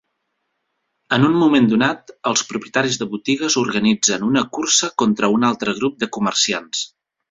En un moment donat, els propietaris de botigues organitzen una cursa contra un altre grup de comerciants.